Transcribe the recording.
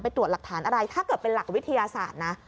ตรวจหลักฐานอะไรถ้าเกิดเป็นหลักวิทยาศาสตร์นะ